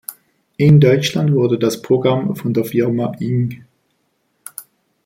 In Deutschland wurde das Programm von der Firma Ing.